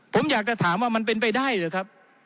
ผมอยากจะถามว่ามันเป็นไปได้หรือครับ